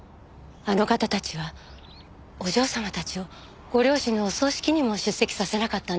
あの方たちはお嬢様たちをご両親のお葬式にも出席させなかったんです。